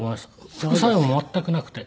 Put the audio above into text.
副作用も全くなくて。